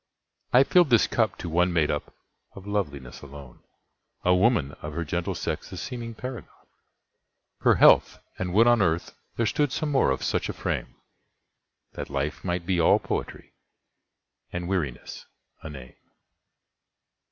I filled this cup to one made up of loveliness alone,A woman, of her gentle sex the seeming paragon—Her health! and would on earth there stood some more of such a frame, That life might be all poetry, and weariness a name.